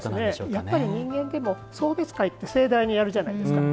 やっぱり人間でも送別会って盛大にやるじゃないですか。